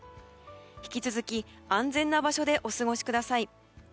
引き続き安全な場所でお過ごしください。